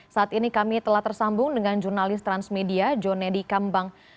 saat ini kami telah tersambung dengan jurnalis transmedia jonedi kambang